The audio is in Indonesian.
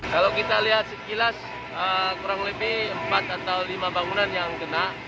kalau kita lihat sekilas kurang lebih empat atau lima bangunan yang kena